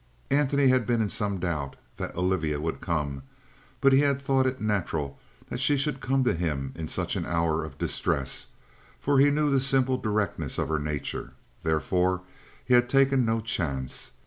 Antony had been in some doubt that Olivia would come. But he had thought it natural that she should come to him in such an hour of distress, for he knew the simple directness of her nature. Therefore he had taken no chance.